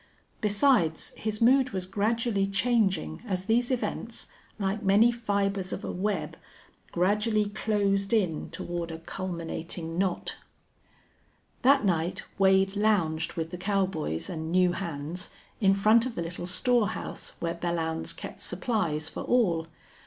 Besides, his mood was gradually changing as these events, like many fibers of a web, gradually closed in toward a culminating knot. That night Wade lounged with the cowboys and new hands in front of the little storehouse where Belllounds kept supplies for all.